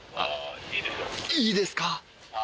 いいですか！？